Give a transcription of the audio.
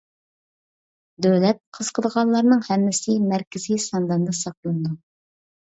دۆلەت قىزىقىدىغانلارنىڭ ھەممىسى مەركىزىي سانداندا ساقلىنىدۇ.